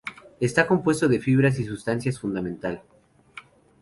Está compuesto de fibras y sustancia fundamental.